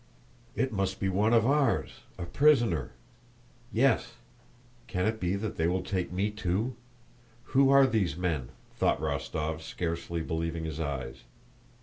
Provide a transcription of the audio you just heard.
"It must be one of ours, a prisoner. Yes. Can it be that they will take me too? Who are these men?" thought Rostóv, scarcely believing his eyes.